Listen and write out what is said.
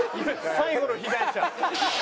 最後の被害者。